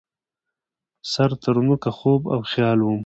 سر ترنوکه خوب او خیال وم